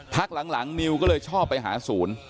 พักหลังนิวก็เลยชอบไปหาศูนย์